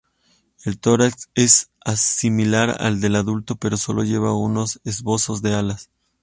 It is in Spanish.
El tórax es similar al del adulto, pero sólo lleva unos esbozos de alas.